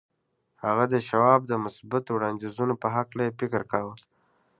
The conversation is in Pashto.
هغه د شواب د مثبتو وړانديزونو په هکله يې فکر کاوه.